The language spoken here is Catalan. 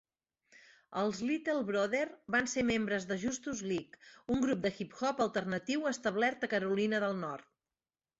Els Little Brother van ser membres de Justus League, un grup de hip-hop alternatiu establert a Carolina del Nord.